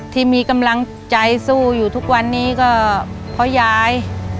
ที่มีกำลังใจสู้อยู่ทุกวันนี้ก็เพราะยาย